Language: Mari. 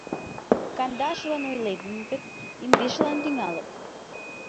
Кандашылан ойленыт гын, индешылан тӱҥалыт.